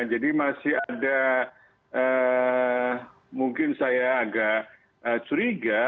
jadi masih ada mungkin saya agak curiga